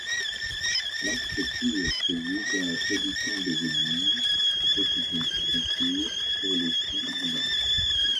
L’architecture réside dans la production des aiguilles d’acuponcture pour le chi urbain.